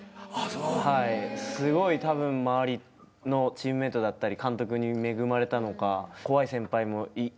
すごいたぶん周りのチームメートだったり監督に恵まれたのか怖い先輩もいなくて。